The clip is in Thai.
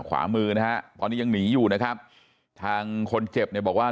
ขวามือนะฮะตอนนี้ยังหนีอยู่นะครับทางคนเจ็บเนี่ยบอกว่า